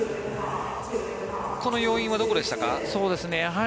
この要因はどこでしたか？